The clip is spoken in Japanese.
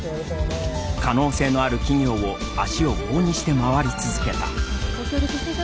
可能性のある企業を足を棒にして回り続けた。